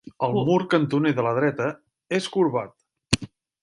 El mur cantoner de la dreta és corbat.